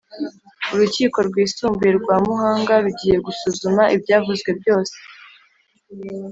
urukiko rwisumbuye rwa muhanga rugiye gusuzuma ibyavuzwe byose